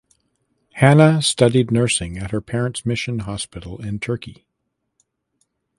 Hanna studied nursing at her parents’ mission hospital in Turkey.